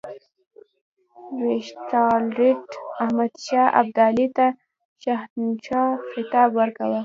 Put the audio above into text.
وینسیټارټ احمدشاه ابدالي ته شهنشاه خطاب کاوه.